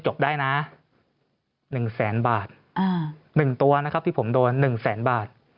จบได้นะหนึ่งแสนบาทอ่าหนึ่งตัวนะครับที่ผมโดนหนึ่งแสนบาท